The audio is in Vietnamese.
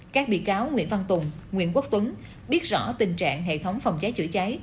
các bị cáo nguyễn văn tùng nguyễn quốc tuấn biết rõ tình trạng hệ thống phòng cháy chữa cháy